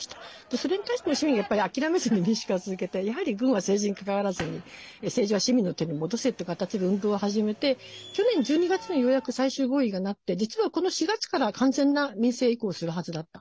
それに対してもやっぱり市民が諦めず民主化を続けてやはり軍は政治に関わらずに政治は市民の手に戻せという形で運動を始めて去年１２月にようやく最終合意がなって実はこの４月から、完全な民政移行するはずだった。